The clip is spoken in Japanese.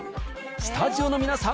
スタジオの皆さん